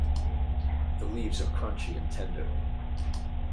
The leaves are crunchy and tender.